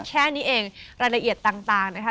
แค่นี้เองรายละเอียดต่างนะคะ